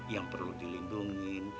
yang perlu dilindungin